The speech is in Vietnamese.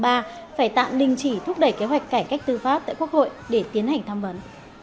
phải tạm đình chỉ thúc đẩy kế hoạch cải cách tư pháp tại quốc hội để tiến hành tham vấn